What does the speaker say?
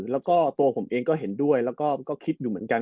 แล้วก็ตัวผมเองก็เห็นด้วยแล้วก็คิดอยู่เหมือนกัน